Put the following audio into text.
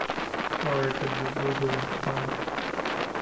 R. W. Ruble in command.